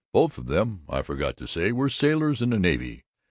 Both of them, I forgot to say, were sailors in the Navy.